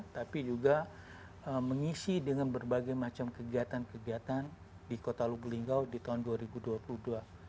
tapi juga mengisi dengan berbagai macam kegiatan kegiatan di kota lubuk linggau di tahun dua ribu dua puluh dua